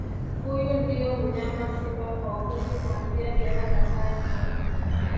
Huyo ndio mnyama Simba kwa ufupi kuanzia miaka kadhaa nyuma